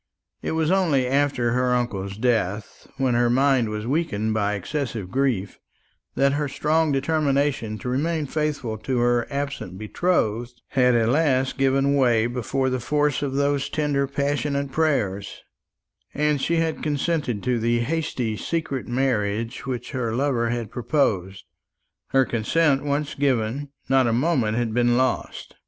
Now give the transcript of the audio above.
It was only after her uncle's death, when her mind was weakened by excessive grief, that her strong determination to remain faithful to her absent betrothed had at last given way before the force of those tender passionate prayers, and she had consented to the hasty secret marriage which her lover had proposed. Her consent once given, not a moment had been lost.